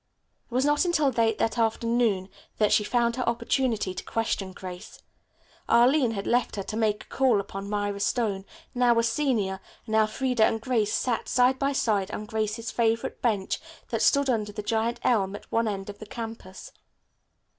It was not until late that afternoon that she found her opportunity to question Grace. Arline had left her to make a call upon Myra Stone, now a senior, and Elfreda and Grace sat side by side on Grace's favorite bench that stood under the giant elm at one end of the campus.